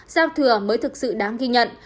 giao thừa mới thực sự đáng ghi nhận